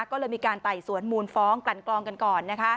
ก็เลยมีการไต่สวนมูลฟ้องกลั่นกลองกันก่อน